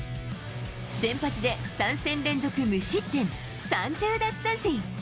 先発で３戦連続無失点、３０奪三振。